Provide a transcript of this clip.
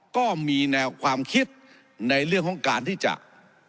ก็มีแนวความคิดในเรื่องของการที่จะ